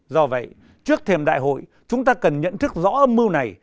do vậy trước thêm đại hội chúng ta cần nhận thức rõ âm mưu này